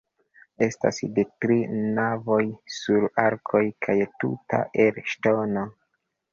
Estas de tri navoj sur arkoj kaj tuta el ŝtono.